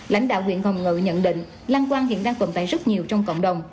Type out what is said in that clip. lãnh đạo huyện hồng ngự nhận định lăng quang hiện đang tồn tại rất nhiều trong cộng đồng